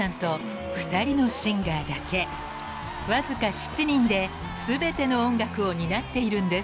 ［わずか７人で全ての音楽を担っているんです］